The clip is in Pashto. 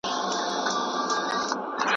دېو که شیطان یې خو ښکرور یې